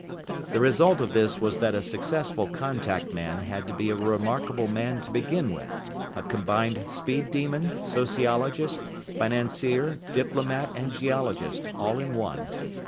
The result of this was that a successful Contact Man had to be a remarkable man to begin with: a combined speed demon, sociologist, financier, diplomat and geologist, all in one.